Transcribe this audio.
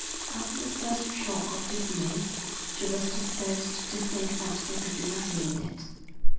After the first shock of dismay she was disposed to think that there could be nothing in it.